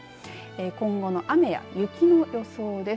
今後の雨や雪の予想です。